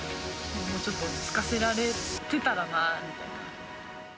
もうちょっと落ち着かせてたらなみたいな。